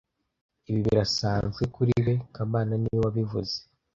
Ibi birasanzwe kuri we kamana niwe wabivuze